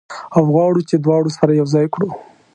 او وغواړو چې دواړه سره یو ځای کړو.